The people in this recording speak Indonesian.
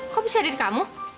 kok bisa hadir di kamu